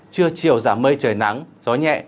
trưa chiều giảm mây trời nắng gió nhẹ